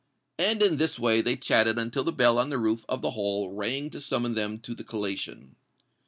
And in this way they chatted until the bell on the roof of the Hall rang to summon them to the collation.